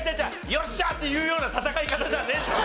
「よっしゃ！」って言うような戦い方じゃねえんだぞ。